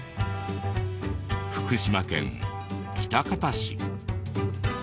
福島県喜多方市。